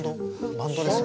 バンドですよね。